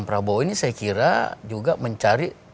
prabowo ini saya kira juga mencari